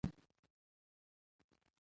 زده کړه په فکر کې ده.